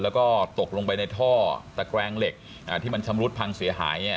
แล้วก็ตกลงไปในท่อตะแกรงเหล็กที่มันชำรุดพังเสียหาย